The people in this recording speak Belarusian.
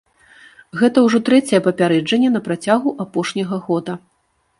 Гэта ўжо трэцяе папярэджанне на працягу апошняга года.